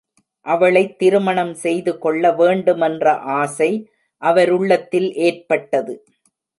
அவளைத் திருமணம் செய்துகொள்ள வேண்டுமென்ற ஆசை அவருள்ளத்தில் ஏற்பட்டது.